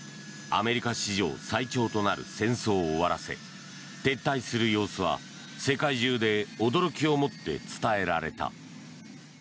アメリカ史上最長となる戦争を終わらせ撤退する様子は世界中で驚きをもって伝えられた。